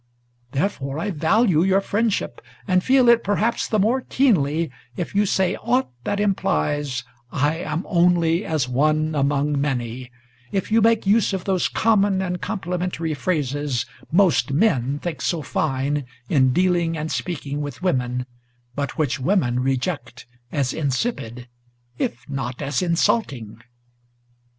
Therefore I value your friendship, and feel it perhaps the more keenly If you say aught that implies I am only as one among many, If you make use of those common and complimentary phrases Most men think so fine, in dealing and speaking with women, But which women reject as insipid, if not as insulting."